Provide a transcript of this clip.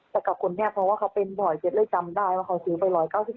แต่กับคนนี้เพราะว่าเขาเป็นบ่อยเจ๊เลยจำได้ว่าเขาซื้อไป๑๙๒